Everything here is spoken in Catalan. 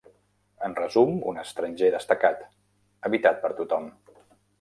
En resum, un estranger destacat, evitat per tothom.